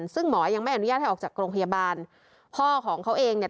ซึ่งหมอยังไม่อนุญาตให้ออกจากโรงพยาบาลพ่อของเขาเองเนี่ย